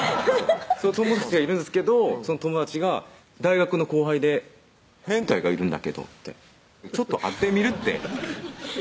友達がいるんですけどその友達が「大学の後輩で変態がいるんだけど」って「ちょっと会ってみる？」って